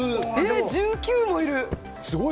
１９もいる！